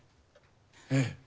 ええ。